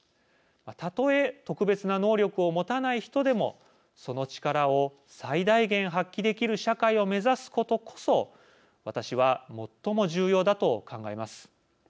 たとえ特別な能力を持たない人でもその力を最大限発揮できる社会を目指すことこそ私は最も重要だと考えます。